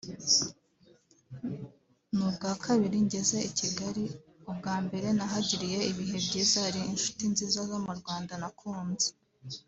Ni ubwa kabiri ngeze i Kigali ubwa mbere nahagiriye ibihe byiza hari inshuti nziza zo mu Rwanda nakunze